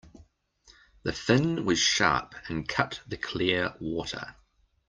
The fin was sharp and cut the clear water.